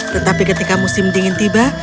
tetapi ketika musim dingin tiba